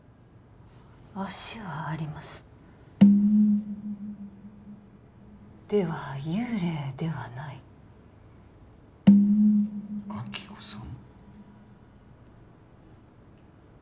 脚はありますでは幽霊ではない亜希子さん？